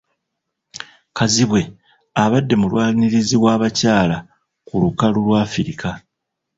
Kazibwe abadde mulwanirizi w'abakyala ku lukalu lwa Africa